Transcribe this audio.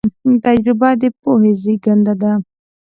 تجربه د پوهې زېږنده ده.